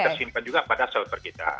dan tersimpan juga pada selver kita